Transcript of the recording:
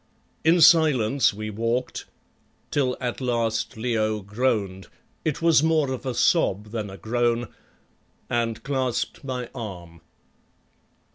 In silence we walked, till at last Leo groaned it was more of a sob than a groan and clasped my arm.